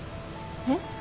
えっ？